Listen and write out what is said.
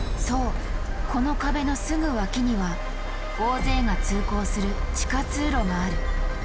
そうこの壁のすぐ脇には大勢が通行する地下通路がある。